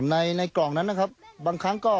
ในในกล่องนั้นนะครับบางครั้งก็